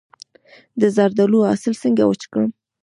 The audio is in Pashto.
د زردالو حاصل څنګه وچ کړم؟